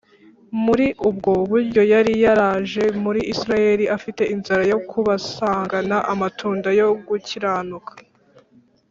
muri ubwo buryo yari yaraje muri isirayeli, afite inzara yo kubasangana amatunda yo gukiranuka